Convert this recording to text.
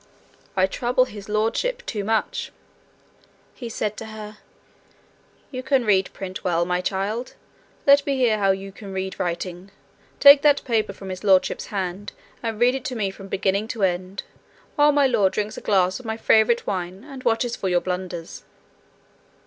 'I trouble His Lordship too much,' he said to her: 'you can read print well, my child let me hear how you can read writing. Take that paper from His Lordship's hand, and read it to me from beginning to end, while my lord drinks a glass of my favourite wine, and watches for your blunders.'